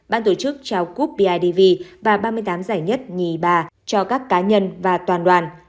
ban tổ chức trao cúp bidv và ba mươi tám giải nhất nhì ba cho các cá nhân và toàn đoàn